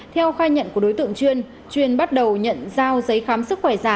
theo khai nhận của đối tượng chuyên chuyên bắt đầu nhận giao giấy khám sức khỏe giá